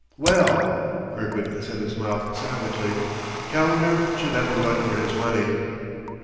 Well! (Kirkwood set his mouth savagely) Calendar should have a run for his money!